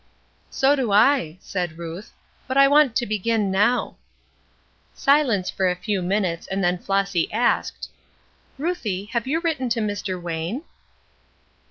"So do I," said Ruth, "but I want to begin now." Silence for a few minutes, and then Flossy asked: "Ruthie, have you written to Mr. Wayne?"